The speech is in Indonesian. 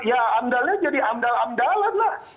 ya andalnya jadi andal andalan lah